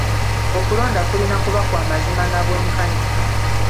Okulonda kulina kuba kwa mazima na bwenkanya.